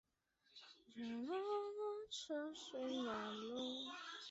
创立初时只有的日本安田纪念赛及香港冠军一哩赛两关。